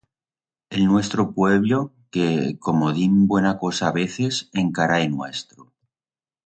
El nuestro puebllo que, como dim buena cosa veces, encara é nuestro.